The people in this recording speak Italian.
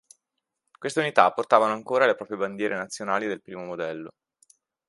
Queste unità portavano ancora le loro bandiere nazionali del primo modello.